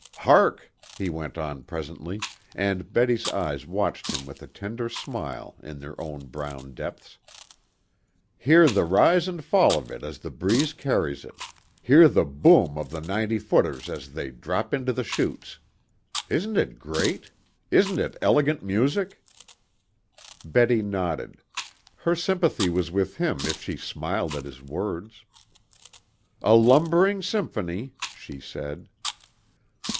"Hark!" he went on presently, and Betty's eyes watched him with a tender smile in their brown depths. "Hear the rise and fall of it as the breeze carries it. Hear the 'boom' of the 'ninety footers' as they drop into the shoots. Isn't it great? Isn't it elegant music?" Betty nodded. Her sympathy was with him if she smiled at his words. "A lumbering symphony," she said.